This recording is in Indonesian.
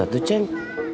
batu itu ceng